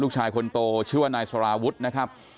ลูกชายคนโตชื่อว่านายสาราวุฒินะครับ